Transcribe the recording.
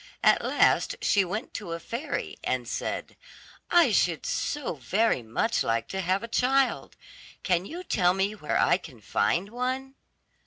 At last she went to a fairy, and said, "I should so very much like to have a little child; can you tell me where I can find one?"